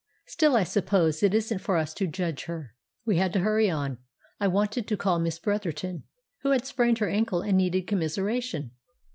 Still, I suppose it isn't for us to judge her." We had to hurry on. I wanted to call on Miss Bretherton, who had sprained her ankle and needed commiseration.